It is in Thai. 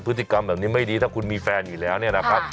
พฤติกรรมแบบนี้ไม่ดีถ้าคุณมีแฟนอยู่แล้วเนี่ยนะครับ